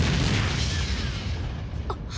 あっ。